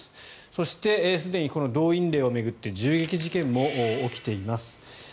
そして、すでに動員令を巡って銃撃事件も起きています。